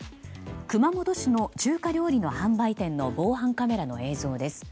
熊本市の中華料理の販売店の防犯カメラの映像です。